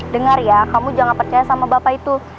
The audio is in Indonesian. dengar ya kamu jangan percaya sama bapak itu